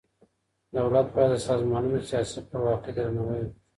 دولت بايد د سازمانونو سياسي خپلواکۍ ته درناوی وکړي.